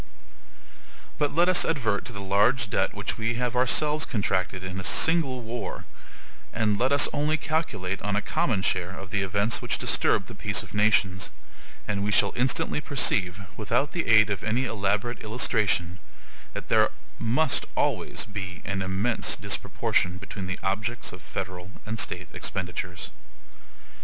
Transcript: But let us advert to the large debt which we have ourselves contracted in a single war, and let us only calculate on a common share of the events which disturb the peace of nations, and we shall instantly perceive, without the aid of any elaborate illustration, that there must always be an immense disproportion between the objects of federal and state expenditures.